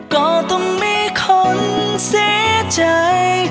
ก็ต้องมีคนเสียใจ